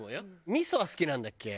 味噌は好きなんだっけ？